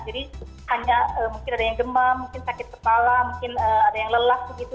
jadi hanya mungkin ada yang demam mungkin sakit kepala mungkin ada yang lelah begitu